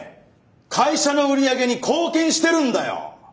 会社の売り上げに貢献してるんだよ。